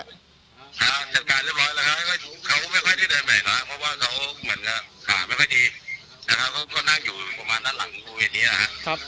จัดการเรียบร้อยแล้วครับเขาไม่ค่อยได้เดินใหม่แล้วเพราะว่าเขาเหมือนกับขาไม่ค่อยดีนะครับเขาก็นั่งอยู่ประมาณด้านหลังโรงเรียนนี้นะครับ